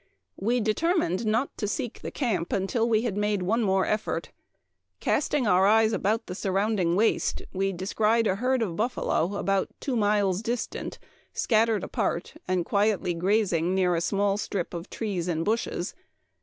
" We determined not to seek the camp until we had made one more effort. , Casting our eyes about the surrounding waste, we descried a herd of buffalo about two miles distant, scat tered apart, and quietly grazing near a small strip of trees and bushes.